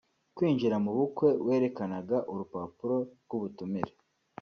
Kwinjira mu bukwe werekanaga urupapuro rw’ubutumire